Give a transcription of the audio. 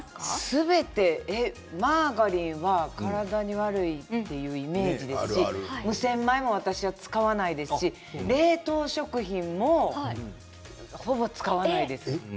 すべてマーガリンは体に悪いというイメージですし無洗米も使わないですし冷凍食品もほぼ使わないです。